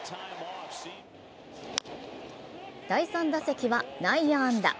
第３打席は内野安打。